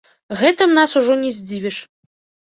Гэтым нас ужо не здзівіш.